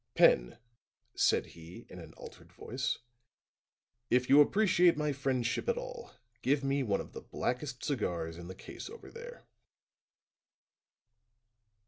"Pen," said he, in an altered voice, "if you appreciate my friendship at all, give me one of the blackest cigars in the case over there."